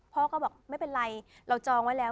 พ่อก็บอกไม่เป็นไรเราจองไว้แล้ว